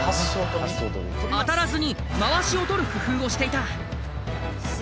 当たらずにまわしを取る工夫をしていた。